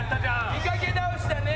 見かけ倒しだね。